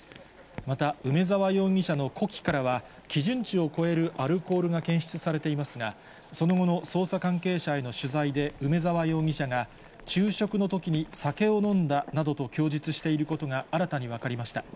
また梅沢容疑者の呼気からは、基準値を超えるアルコールが検出されていますが、その後の捜査関係者への取材で、梅沢容疑者が、昼食のときに酒を飲んだなどと供述していることが新たに分かりました。